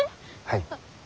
はい。